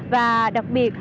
và đặc biệt